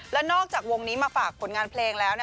แล้วนอกจากวงนี้มาฝากผลงานเพลงแล้ว